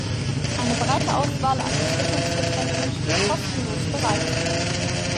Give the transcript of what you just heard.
Eine breite Auswahl an Erfrischungsgetränken steht kostenlos bereit.